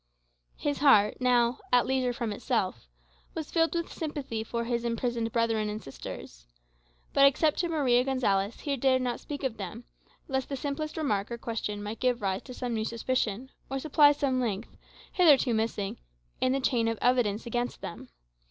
His heart, now "at leisure from itself," was filled with sympathy for his imprisoned brethren and sisters. But, except to Maria Gonsalez, he dared not speak of them, lest the simplest remark or question might give rise to some new suspicion, or supply some link, hitherto missing, in the chain of evidence against them.